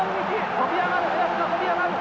飛び上がる江夏が飛び上がる！